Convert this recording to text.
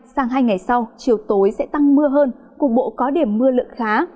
sáng hai ngày sau chiều tối sẽ tăng mưa hơn cuộc bộ có điểm mưa lượng khá